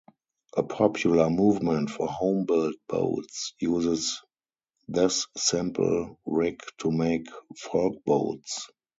A popular movement for home-built boats uses this simple rig to make "folk-boats".